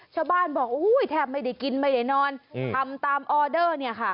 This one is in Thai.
ชาวบ้านบอกแทบไม่ได้กินไม่ได้นอนทำตามออเดอร์เนี่ยค่ะ